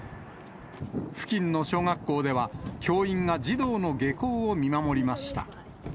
付近の小学校では、教員が児童の下校を見守りました。